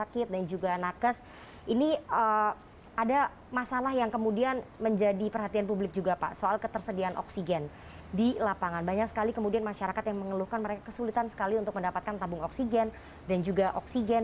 kita mengeluhkan mereka kesulitan sekali untuk mendapatkan tabung oksigen dan juga oksigen